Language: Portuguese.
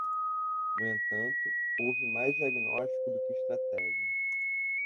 No entanto, houve mais diagnóstico do que estratégia.